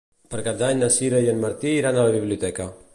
Per Cap d'Any na Sira i en Martí iran a la biblioteca.